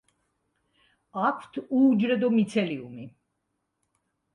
აქვთ უუჯრედო მიცელიუმი.